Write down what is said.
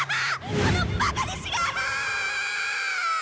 このバカ弟子がーッ！